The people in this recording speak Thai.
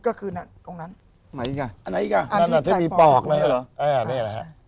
ก็คือนั้นตรงนั้นไหนค่ะอันนั้นอันนั้นถ้ามีปอกนั้นรึทอ่ะ